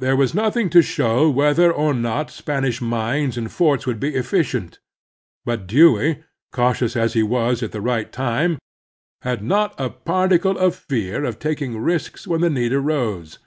There was nothing to show whether or not Spanish mines and forts would be efficient ; but Dewey, cautious as he was at the right time, had not a particle of fear of taking risks when the need arose.